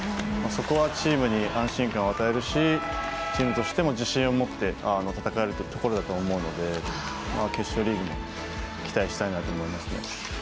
そこはチームに安心感を与えるしチームとしても自信を持って戦えるところだと思うので決勝リーグも期待したいなと思いますね。